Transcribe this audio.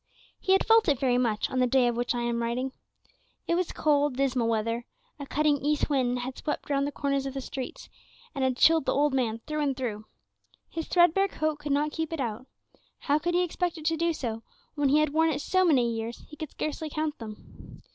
He had felt it very much on the day of which I am writing. It was cold, dismal weather; a cutting east wind had swept round the corners of the streets, and had chilled the old man through and through. His threadbare coat could not keep it out; how could he expect it to do so, when he had worn it so many years he could scarcely count them?